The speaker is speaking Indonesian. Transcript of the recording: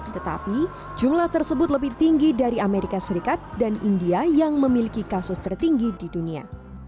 tetapi jumlah tersebut lebih tinggi dari amerika serikat dan india yang memiliki kasus tertinggi di dunia